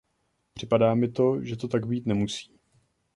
Připadá mi, že to tak být nemusí.